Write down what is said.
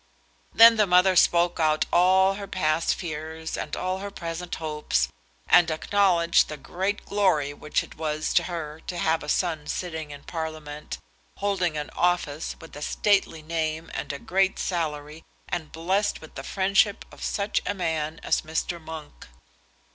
Then the mother spoke out all her past fears and all her present hopes, and acknowledged the great glory which it was to her to have a son sitting in Parliament, holding an office with a stately name and a great salary, and blessed with the friendship of such a man as Mr. Monk.